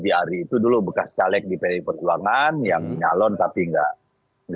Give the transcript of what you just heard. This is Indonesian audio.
klik k govern dilari itu dulu bekas caleg di perjuangan yang dinyalon tapi enggak said half kayak menang